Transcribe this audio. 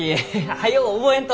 早う覚えんと！